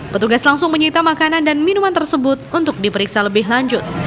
petugas langsung menyita makanan dan minuman tersebut untuk diperiksa lebih lanjut